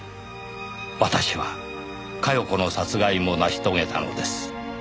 「私は加世子の殺害も成し遂げたのです」